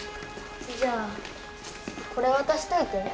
じゃあこれ渡しといて。